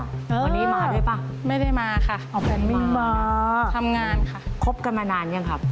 วันนี้มาด้วยเปล่าไม่ได้มาค่ะทำงานค่ะครบกันมานานยังครับ